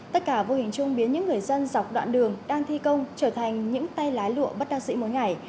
tất cả vô hình chung biến những người dân dọc đoạn đường đang thi công trở thành những tay lái lụa bất đa sĩ mỗi ngày